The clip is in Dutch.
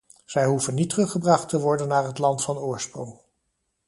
Zij hoeven niet teruggebracht te worden naar het land van oorsprong.